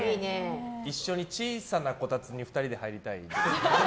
一緒に小さなこたつに２人で入りたい。